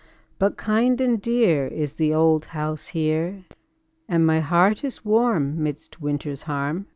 But kind and dear Is the old house here And my heart is warm Midst winter's harm.